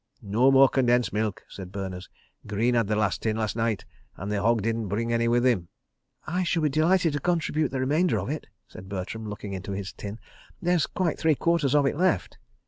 "No more condensed milk," said Berners. "Greene had the last tin last night, and the hog didn't bring any with him." "I shall be delighted to contribute the remainder of it," said Bertram, looking into his tin. "There's quite three quarters of it left."